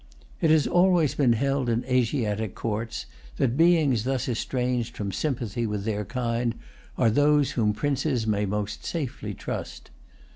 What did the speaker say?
It has always been held in Asiatic courts that beings thus estranged from sympathy with their kind are those whom princes may most safely trust.